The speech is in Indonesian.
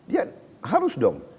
ya harus dong